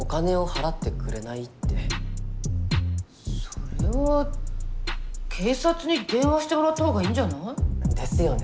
それは警察に電話してもらったほうがいいんじゃない？ですよね。